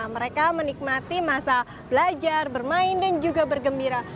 mereka menikmati masa belajar bermain dan juga bergembira